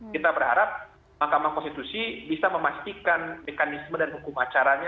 kita berharap mahkamah konstitusi bisa memastikan mekanisme dan hukum acaranya